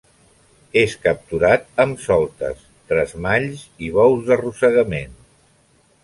És capturat amb soltes, tresmalls i bous d'arrossegament.